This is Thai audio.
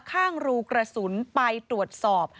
ข้างรูกระสุนไปตรวจสอบ